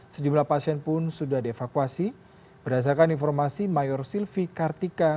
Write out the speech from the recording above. sejumlah pasien pun sudah dievakuasi berdasarkan informasi mayor silvi kartika